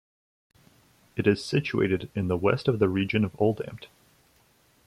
It is situated in the west of the region of Oldambt.